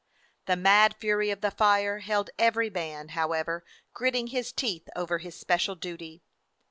The mad fury of the fire held every man, how ever, gritting his teeth over his special duty.